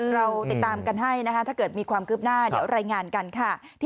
เราติดตามกันให้นะคะถ้าเกิดมีความคืบหน้าเดี๋ยวรายงานกันค่ะ